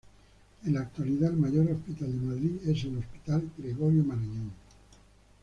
En la actualidad el mayor hospital de Madrid es el Hospital Gregorio Marañon.